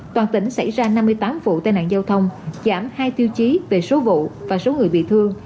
toàn tỉnh xảy ra năm mươi tám vụ tai nạn giao thông giảm hai tiêu chí về số vụ và số người bị thương